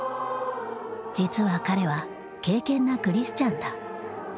実は彼は敬虔なクリスチャンだ。